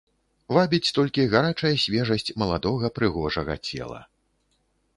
Вабіць толькі гарачая свежасць маладога прыгожага цела.